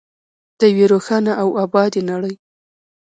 د یوې روښانه او ابادې نړۍ.